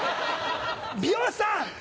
美容師さん！